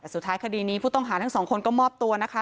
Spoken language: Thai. แต่สุดท้ายคดีนี้ผู้ต้องหาทั้งสองคนก็มอบตัวนะคะ